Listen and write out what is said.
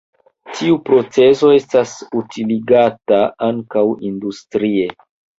Tiu procezo estas utiligata ankaŭ industrie.